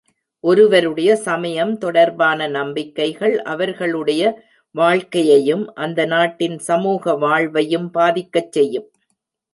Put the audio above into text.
ஒருவருடைய சமயம் தொடர்பான நம்பிக்கைகள் அவர்களுடைய வாழ்க்கையையும் அந்த நாட்டின் சமூக வாழ்வையும் பாதிக்கச் செய்யும்.